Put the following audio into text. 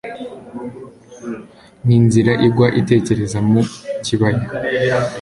n'inzira igwa ikerekeza mu kibaya